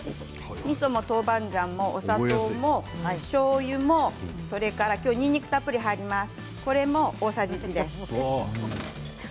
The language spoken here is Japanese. みそも豆板醤もお砂糖もしょうゆもそれから今日にんにくもたっぷり入ります。